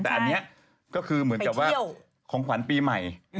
แต่อันนี้ก็คือเหมือนกับว่าของขวัญปีใหม่